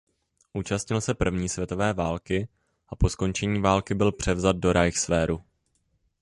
Účastnil se první světové války a po skončení války byl převzat do Reichswehru.